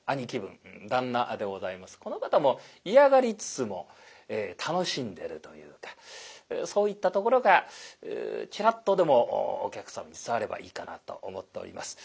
この方も嫌がりつつも楽しんでるというかそういったところがチラッとでもお客様に伝わればいいかなと思っております。